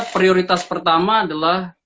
prioritas pertama adalah